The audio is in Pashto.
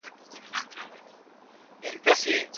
سیاستوالو به د رایې ورکولو حق تضمین کوی.